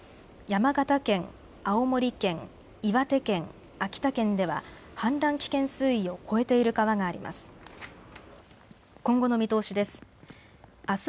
山形県、青森県、岩手県、秋田県では氾濫危険水位を超えている川があります。